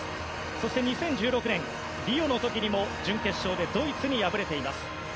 そして２０１６年リオの時にも準決勝でドイツに敗れています。